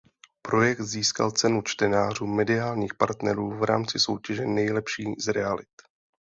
Projekt získal „Cenu čtenářů mediálních partnerů“ v rámci soutěže Nejlepší z realit.